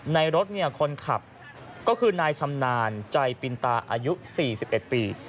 ในรถคนขับก็คือนายชำนาญใจปินตาอายุ๔๑ปี